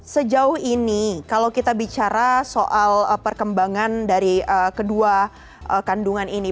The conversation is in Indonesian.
sejauh ini kalau kita bicara soal perkembangan dari kedua kandungan ini